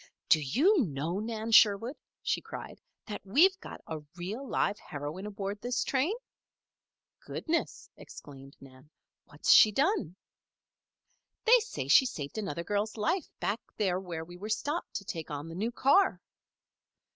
"Do you know, Nan Sherwood," she cried, "that we've got a real, live heroine aboard this train?" "Goodness!" exclaimed Nan. "What's she done?" "They say she saved another girl's life back there where we stopped to take on the new car."